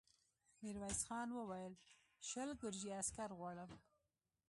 ميرويس خان وويل: شل ګرجي عسکر غواړم.